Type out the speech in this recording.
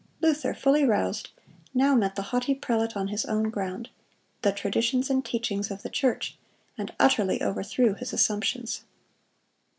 Luther, fully roused, now met the haughty prelate on his own ground,—the traditions and teachings of the church,—and utterly overthrew his assumptions.